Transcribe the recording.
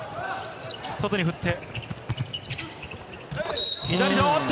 外に振って。